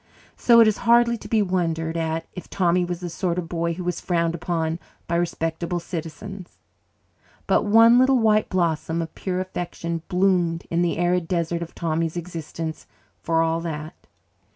So it is hardly to be wondered at if Tommy was the sort of boy who was frowned upon by respectable citizens. But one little white blossom of pure affection bloomed in the arid desert of Tommy's existence for all that.